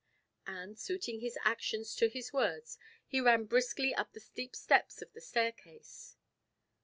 And suiting his actions to his words, he ran briskly up the steep steps of the staircase.